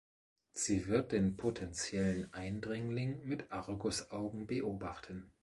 Sie wird den potenziellen Eindringling mit Argusaugen beobachten.